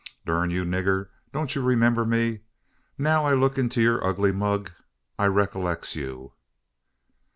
"Durn you, nigger, don't ye remember me? Now I look into yur ugly mug, I recollex you."